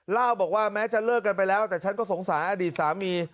เล่าบอกว่าแม้จะเลิกกันไปแล้วแต่ฉันก็สงสารอดีตสามี